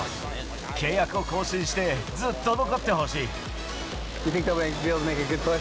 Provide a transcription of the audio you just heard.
契約を更新して、ずっと残ってほしい。